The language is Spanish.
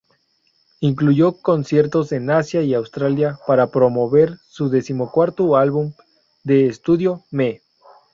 Incluyó conciertos en Asia y Australia, para promover su decimocuarto álbum de estudio, "Me.